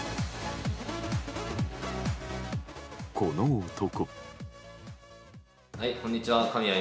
この男。